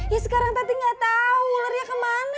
ya sekarang tati gak tau ulernya kemana